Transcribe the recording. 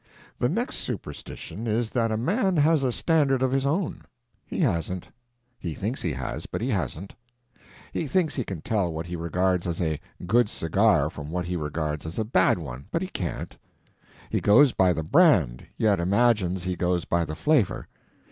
The next superstition is that a man has a standard of his own. He hasn't. He thinks he has, but he hasn't. He thinks he can tell what he regards as a good cigar from what he regards as a bad one—but he can't. He goes by the brand, yet imagines he goes by the flavor.